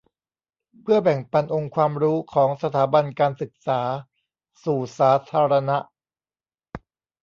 เพื่อแบ่งปันองค์ความรู้ของสถาบันการศึกษาสู่สาธารณะ